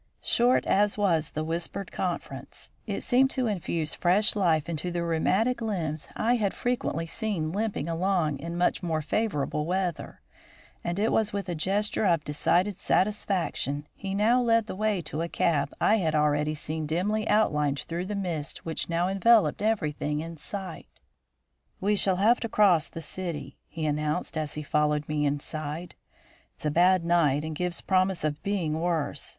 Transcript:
Short as was the whispered conference, it seemed to infuse fresh life into the rheumatic limbs I had frequently seen limping along in much more favourable weather, and it was with a gesture of decided satisfaction he now led the way to a cab I had already seen dimly outlined through the mist which now enveloped everything in sight. "We shall have to cross the city," he announced, as he followed me inside. "It's a bad night and gives promise of being worse.